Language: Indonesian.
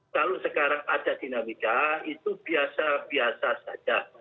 kalau sekarang ada dinamika itu biasa biasa saja